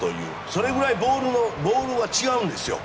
それぐらいボールが違うんです。